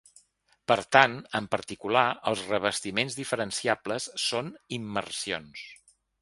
Per tant, en particular els revestiments diferenciables són immersions.